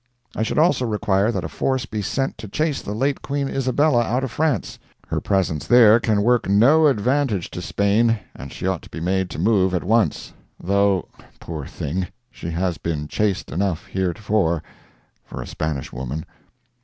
I should also require that a force be sent to chase the late Queen Isabella out of France. Her presence there can work no advantage to Spain, and she ought to be made to move at once; though, poor thing, she has been chaste enough heretofore—for a Spanish woman.